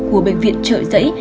của bệnh viện trợ dẫy